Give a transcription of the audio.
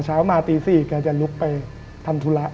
เช้ามาตี๔แกจะลุกไปทำธุระ